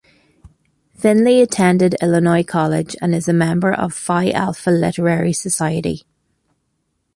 Findley attended Illinois College and is a member of Phi Alpha Literary Society.